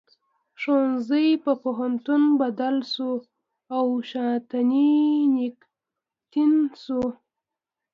ښوونځي په پوهنتون بدل شو او شانتي نیکیتن شو.